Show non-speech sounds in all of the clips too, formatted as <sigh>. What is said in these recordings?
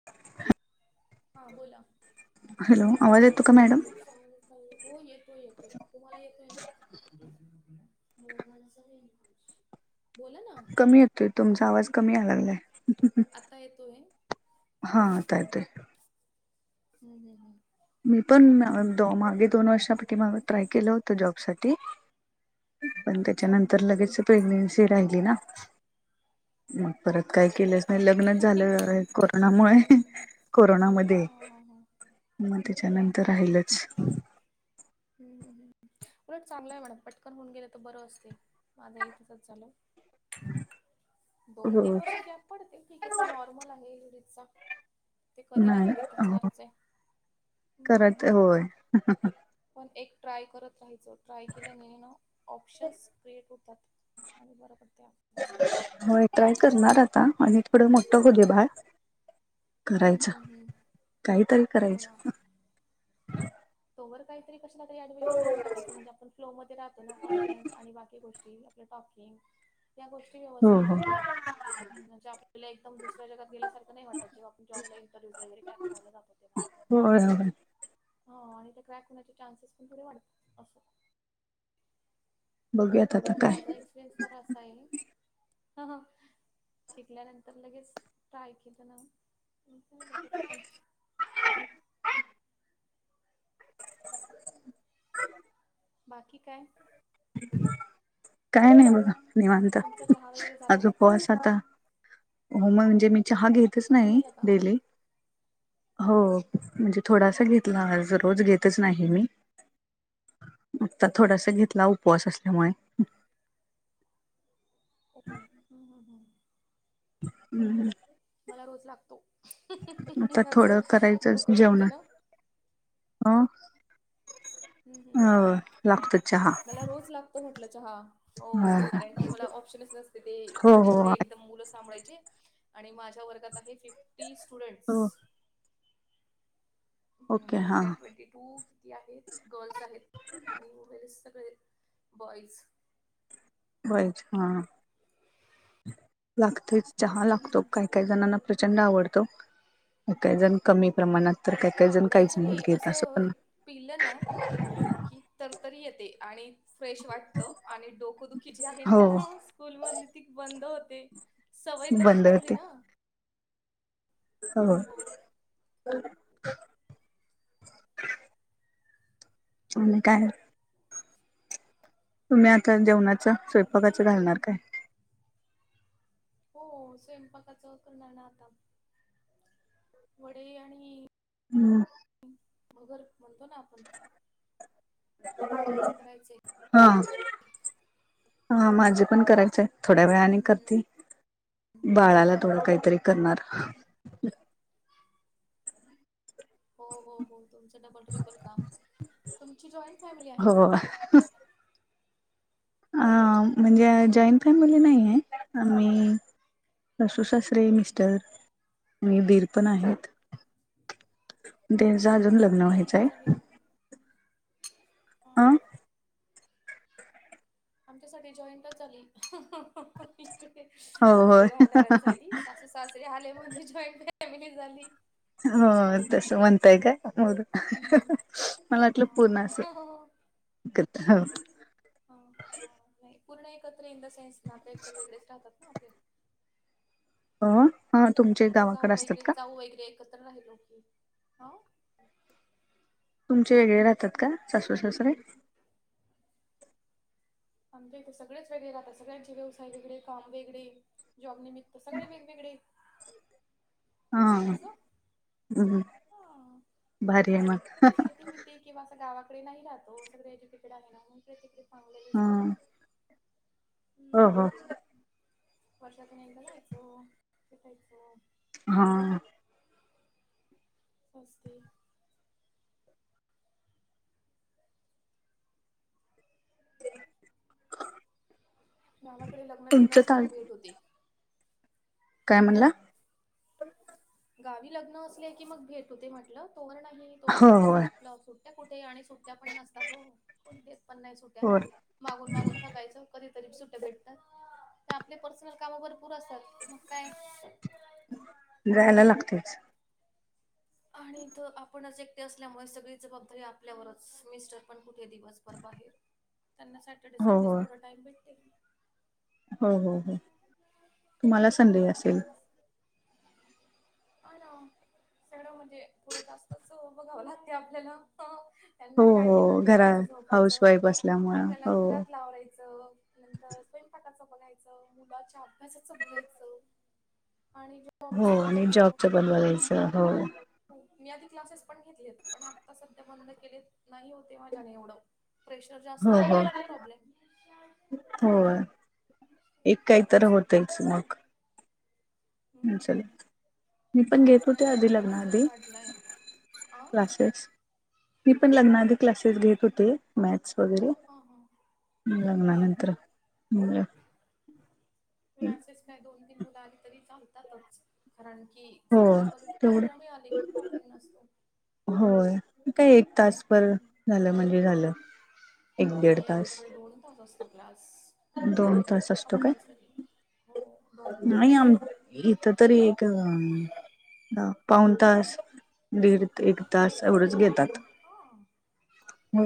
<inaudible> हा बोला. हॅलो आवाज येतो का मॅडम? हो येतोय येतोय तुम्हाला येतोय ना. मला बोला ना. कमी येतोय तुमचा आवाज कमी याय लागलाय. आता येतोय. हा आता येतोय. ह ह ह. मी पण मागे दोन वर्षा पाठी माग ट्राय केलं होत जॉब साठी. पण अच्छा त्याच्यानंतर लगेच प्रेग्नेन्सी राहिली ना. मग परत हा काही ते केलंच नाही आहे लग्नच हम्म झालं कोरोनामुळे. हम्म कोरोनामध्ये. <inaudible> त्याच्यानंतर ओके हम्म राहिलच. उलट चांगलं आहे मॅडम पटकन होऊन गेलं तर बरं असते माझं इथसंच झालं. दोन तीन हो वर्ष गॅप पडते ठीक आहे तो नॉर्मल आहे रीजचा. नाही हो हम्म कराच होय. पण एक ट्राय करत राहायच ट्राय केल्यानेेणं ऑप्शन्स क्रिएट होतात. आणि <unintelligible> बरों करते होय ट्राय करणार आता आणि थोडं मोठ हो उदे बाळ. हम्म करायच हम्म हम्म. काहीतरी हो ना. करायचं. तोवर काहीतरी कशला तरी ऍडमिशन नेऊन टाकायचंणजे आपण फ <unintelligible> मध्ये राहो ना कॉनफिन्स बाकी गोष्टी. टॉकिंग या गोष्टी हो व्यवस्थित राहतात. हो म्हणजे आपल्याला एकदम दुसऱ्या जगात गेल्यासारख नाही वाटत जेव्हा आपण जॉबला इंटरव्ह्यज वगैरे का करायला जातो ते ना. हो यहो य. हो आणि ते क्रॅक होण्याचे चान्सेस पण थोडे वाढतात असं. बघूयात आता म्हणजे काय माझा एक्सपिरियन्स तर असा आहे. शिकल्यानंतर लगेच ट्राय केलं पटकन. बाकी काय? काय नाही बघा निवांत तुमचा चहा वगैरे झाला आज उपवास होता. हो मग म्हणजे मी चहा घेतच चहा नाही झाला का डेली हो. म्हणजे हम्म थोडासा हम्म हम्म घेतला ज रोज घेत नाही मी आता थोडासा घेतला उपवास असल्यामुळे. हम हम हम. हम्म. मला रोज लागतो माझ डोकं दुखते ना. ह हम्म अ हम्म ला. चहा. मला रोज लागतो म्हटलं चहा. हो कारण की मला ऑप्शनच नसते ते हो एवढे हो एकदम मुलच सांभाळायची आणि माझ्या वर्गात आहे फिफ्टी स्टुडंट्स. हो ओके हम्म हा दॅट ट्वेंटी टू किती आहेत गर्ल्स आहेत आणि उरलेले सगळे बॉईज. बॉईज हा लागतेच चहा हम्म लागतो काही. एकाही जणांना प्रचंड आवडतो एकाही जण कमी प्रमाणात. तर काय हे काय जण काहीच आवडायचं नाही घेत असं पण पिलं ना की तरतरी येते आणि फ्रेश वाटत आणि डोकोदुखी जी आहे ना हो स्कूल मधली ती बंद होते सवय तशी बंद पडली होते ना. हो. आणि काय! तुम्ही आता जेवणाचं बाकी काय स्वयंपाकाचं नाही घालणार काय? हो स्वयंपाकाचं करणार ना आता. वडे आणि हम्. भगर म्हणतो ना आपण. ते करायचे हा हा माझे पण करायच आहे. थोड्या वेळाने हम्म हम्म. करते बाळाला थोडं काहीतरी करणार. <inaudible> हो हो हो तुमचं डबल ट्रिपल काम तुमची जॉईंट फॅमिली आहे का? हो अ हम्म म्हणजे हम्म जॉईन जॉईन हम्म फॅमिली नाहिये आम्ही सासू सासरे मिस्टर. आणि दीर पण आहेत. <inaudible> त्यांचं अजून लग्न माझी व्हायचं जॉईनच झाली आहे ना अं. आमची सगळी जॉईंट अच आलि‌. हो होय इकडे राहणाऱ्यांसाठी सासू सासरे आले म्हणजे जॉईंट फॅमिली झाली. हो तस म्हणताय काय‌. हम्म. मला वाटलं हा. पूर्ण असं. हा हा हा नाही पूर्ण एकत्र इन द सेन्स ना तर एक तर वेगळेच राहतात ना आपले. हो हा तुमचे फक्त गावाकडे जाऊ असतात वगैरे का? जाऊ वगैरे एकत्र राहिलो की. आ? तुमचे वेगळे राहतात का सासूर सासरे? आमच्या इथे सगळेच वेगळे राहतात. सगळ्यांचे व्यवसाय वेगळे, काम वेगळी. जॉब निमित्त तर सगळे वेगवेगळे हा असं हम्म, भारी आहे मग. सगळे शेती बिती किंवा असं गावाकडे नाही राहत ओ. सगळे एज्युकेटेड आहे ना म्हणून ते तिकडे चांगले ते सगळे हं हो हो. वर्षांतून एकदा जायचो, ‌भेटायचो. हा. <unintelligible> ते. गावाकडे लग्न बिग्न तुमचं असली ताल मग भेट होते. काय म्हणला? गावी लग्न असले की मग भेट होती म्हटलं. तोवर नाही तोवर हो इकडेच होय आप ला सुट्ट्या कुठे आणि सुट्ट्या पण नसतात ओ कोण देत पण नाही सुट्ट्या. होय मागून मागून थकायचं कधीतरी सुट्ट्या भेटतात. ते आपले पर्सनल काम भरपूर असतात, मग काय जायाला लागतंयच. आणि इथं आपणच एकटे असल्यामुळे सगळी जबाबदारी आपल्यावरच. मिस्टर पण कुठे दिवसभर बाहेर त्यांना सॅंटरडे हो संडे हो तेवढा टाईम भेटते. हो हो हो. तुम्हाला संडे असेल? भेटते <inaudible> सगळं म्हणजे थोडं जास्तच बघावं लागते आपल्याला. <unintelligible> त्यांना हो काय येऊन हो घरा जेवायचं, हाऊस झोपायचं. वाईफ असल्यामुळं आपल्याला हो घरातल आवरायचं नंतर स्वयंपाकाचं बघायचं, मुलाच्या अभ्यासाचं बघायचं आणि हो जॉबचं आणि जॉबच पण बघायचं हो. हो मी आधी क्लासेस पण घेतलेत, पण आता सध्या बंद केलेत नाही होतं आहे माझ्याने एवढं. प्रेशर जास्त हो आलं हो की मग प्रॉब्लेम. हम्म. हो एक काय तर तेच होतयच मग. हम्म मी पण घेत नाही होते आणि आता आधी लग्न आधी. प्रवासही वाढलाय अ हा क्लासेस मी पण लग्नाआधी क्लासेस घेत होते. मॅथ्स वगैरे, हा मग ओके लग्नानंतर मुलं क्लासेस काय दोन तीन मुलं आली तरी चालतातच. कारण की हो चांगली कॉलिटी तेवढं त्यांना मिळाली की प्रॉब्लेम नसतो. होय. मग काय एक तासभर झालं म्हणजे झालं. एक दीड नाही तास. आमच्याकडे दोन तास असतो क्लास दोन तास असतो काय कंपल्सरी हो. दोन नाही तास. आम इथंतरी एक पाऊन तास दीड एक तास एवढंच घेतात. हो. हो.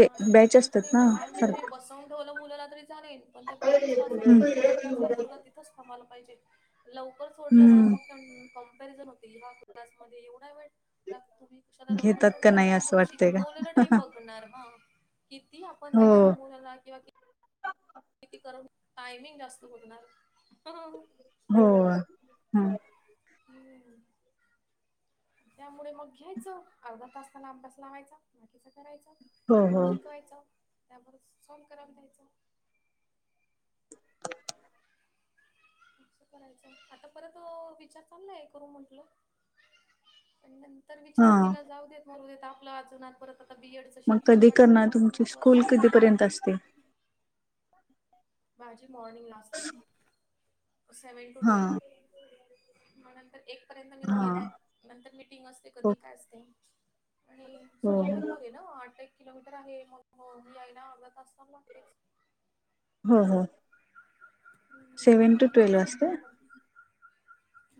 नाही बॅच आमच्याकडे असतात ना म्हणजे तुम्ही सारख बसवून ठेवलं मुलाला तरी चालेल. पण पेरेंटसला असं वाटतं की दोन तास हा पोरगा तिथं च थांबायला पाहिजे. लवकर सोडलं ना मग हम्म अ कंपेरिझन होतील की हा क्लासमध्ये एवढा वेळ तुम्ही कशाला लवकर घेतात का सोडता. नाही असं <unintelligible> वाटतंय शिकवलेला नाही का बघणार. हा कितीही आपण <unintelligible> हो आपण त्या मुलाला किंवा की किती करून टायमिंग जास्त बघणार. हो. ह <inaudible> त्यामुळे मग घ्यायचं अर्धा तास त्याला अभ्यास लावायचा बाकीचा करायचा. हो हो शिकवायचं त्याबरोच सॉम करून द्यायचं. असं करायचं आता परत विचार चाललाय करू म्हटलं. <unintelligible> तर हा विचार केला जाऊ देत मरू देत आपला अजून परत आता बी एड मग कधी करणार तुमची स्कूल कधीपर्यंत असते? माझी मॉर्निंगला असते सेव्हन टू हा ट्वेल. म नंतर एक पर्यंत मी घरी हा येते नंतर मीटिंग असते हो कधी काय असते. आणि हो स्कूल पण दूर आहे ना हो आठ एक किलोमीटर आहे मंग ही यायला अर्धा तास लागतेच हो हो. हम्म सेव्हन टू एक ट्वेल्व वाजता असते बरोबर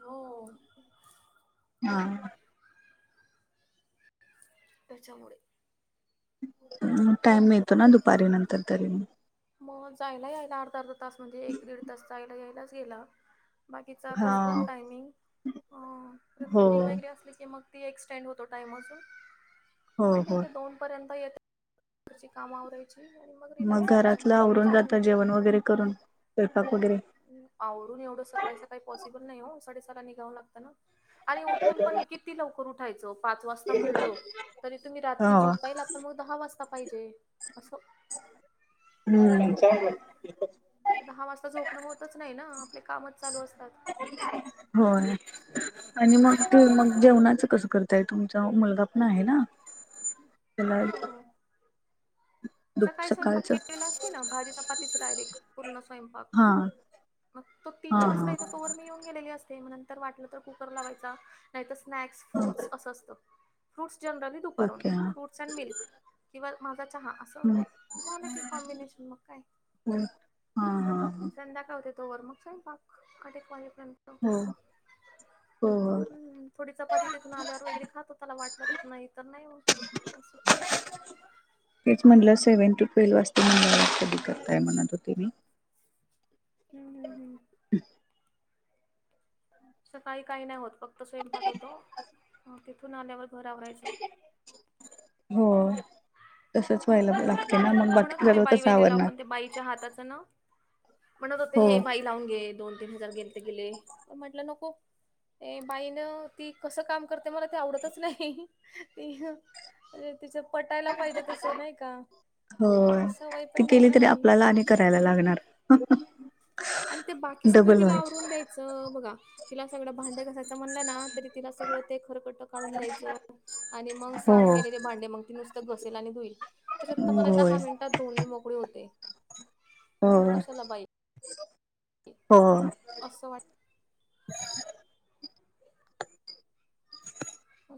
हो. हां. त्याच्यामुळे टाइम मिळतो ना दुपारी नंतर तरी मंग. मगजायला यायला अर्धा-अर्धा तास म्हणजे एक दीड तास जायला यायलाच गेला. बाकीचा तो हा स्कूल टायमिंग हा परत हो मीटिंग वगैरे असली की मग ती एक्सटेंड होतो टाइम अजूनन हो पण हो ठीक आहे दोन पर्यंत येता कची कामं आवराय ची आणि मग म रिलॅक्स राहायचं मग घरातलं तीन आवरून चार जाता घंटे जेवण वगैरे करून स्वयंपाक वगैरे आवरुन एवढं सकाळी सकाळी पॉसिबल नाही हो साडे सहाला निघावं लागतं ना. आणि उठून पण कि ती लवकर उठायच पाच वाजता म्हणलो तरी तुम्ही रात्री हो झोपायला तर मग दहा वाजता पाहिजे असं. हम्म. ते दहा वाजता झोपणं होतच नाही ना आपले कामच चालू असतात. मग तू मग नाही होत जेवणाच कसं कर तेय तुमचा मुलगा पण आहे ना त्याला हो दु सकाळी स्वयंपाक सकाळचं केलेला असते ना भाजी पातीच डायरेक्ट पूर्ण स्वयंपाक हा मग तो हा तीन वाजता हा येते तोवर मी येऊन गेलेली असते मग नंतर वाटलं तर कुकर लावायचा नाहीतर स्नॅक्स फ्रुट्स असं असतं फ्रूट्स जनरली दुपारून ओके हा फ्रूट स अंड मिल्क किंवा माझा चहा असं हम्म, म्हणजे झालं की कॉम्बिनेशन मग काय. हो हा हा ह संध्याकाळ होते तो वर म स्वयंपाक. <unintelligible> हो हो हो. हम्म थोडी चपाती तिथून आल्यावर वगैरे खातो त्याला वाटलं तर नाही तर नाही हो असं. तेच म्हटलं सेव्हन टू ट्वेल वास <unintelligible> कधी करताय म्हणत होते मी. हम्म हम्म हम्म. सकाळी काही नाही होत फक्त स्वयंपाक होतो तिथून आल्यावर घर आवरायचो. हो. तसंच व्हायला लागते हम्म ना याच्या मग पप्पा म्हणत बाकी होते सगळं बाई कसं वगैरे लाव आवरणार पण ते बाईच्या हाताचं ना म्हणत होते हो हे बाई लावून घे दोन तीन हजार गेले ते गेले तर म्हटलं नको ये बाईनं ती कसं काम करते मला ते आवडतच नाही ती. अे तिचं पटायला पाहिजे तसं नाही. का होय सवय ती पण नाही केली ना तरी आपल्याला आणि करायला लागणार. आणि ते बाकी सगळं डबल तिला व्हायच आवरून द्यायचं बघा तिला सगळं भांड्या घायचं म्हणलं ना. तिला सगळं ते खरकट काढून द्यायचं आणि मग हो साफ केलेले भांडे मग त नु घसेल आणि हुईल त्याच्यात मला होय दहा मिनिटात दोन मोकळी होते. हो मग कशाला बाई हो. असं वाटतं.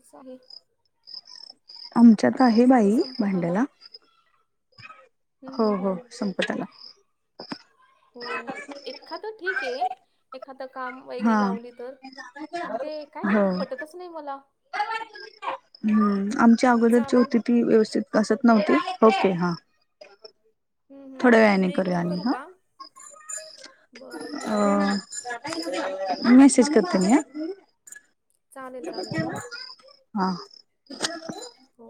स आहे. आमच्यात आपला आहे बाई कॉलेज संपत आला भांड्याला हम्म हो हम्म हो हम्म संपताला. हो एखाद ठीक आहे. एखादं काम वगैरे हा लावली तर पण ते काय हो माहिती पटतच नाही मला. हम्म आमच्या अगोदर जी चालेल होती ती व्यवस्थित असत नव्हती ओके हा. हम्म हम्म थोड्या हम् वेळाने मी करूया इकडून आणि करू हा का? बरं अ ठीक आहे मेसेज करते मी हा. चालेल चालेल हा. हो.